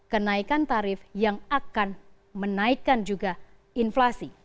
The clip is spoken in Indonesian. kenaikan tarif yang akan menaikkan juga inflasi